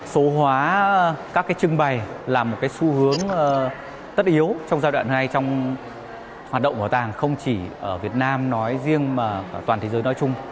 số hóa các trưng bày là một cái xu hướng tất yếu trong giai đoạn hai trong hoạt động bảo tàng không chỉ ở việt nam nói riêng mà toàn thế giới nói chung